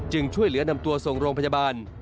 ช่วยเหลือนำตัวส่งโรงพยาบาล